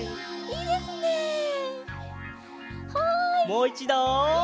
もういちどそれ！